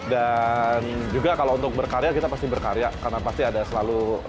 dan juga kalau untuk berkarya kita pasti berkarya karena pasti ada selalu selalu